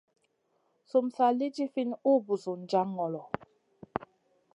Sum sa lì ɗifinʼ ùh busun jaŋ ŋolo.